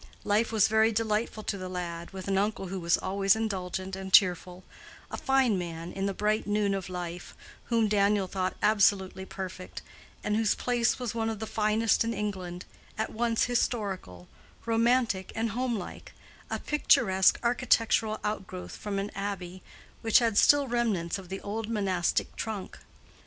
Life was very delightful to the lad, with an uncle who was always indulgent and cheerful—a fine man in the bright noon of life, whom Daniel thought absolutely perfect, and whose place was one of the finest in England, at once historical, romantic, and home like: a picturesque architectural outgrowth from an abbey, which had still remnants of the old monastic trunk.